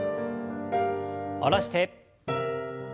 下ろして。